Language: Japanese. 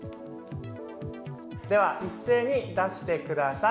では一斉に出してください。